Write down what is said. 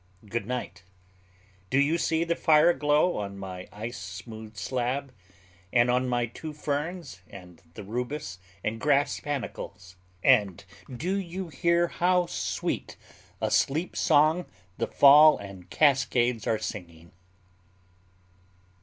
Good night. Do you see the fire glow on my ice smoothed slab, and on my two ferns and the rubus and grass panicles? And do you hear how sweet a sleep song the fall and cascades are singing?